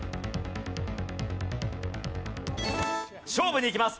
勝負にいきます